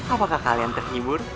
apakah kalian terhibur